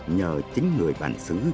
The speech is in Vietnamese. nhờ chính người bản xứ